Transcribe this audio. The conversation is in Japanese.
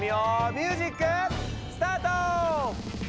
ミュージックスタート！